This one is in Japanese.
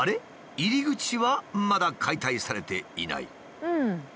入り口はまだ解体されていない。